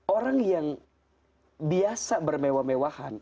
orang yang biasa bermewah mewahan